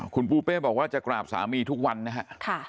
คุณปูเป้บอกว่าจะกราบสามีทุกวันนะครับ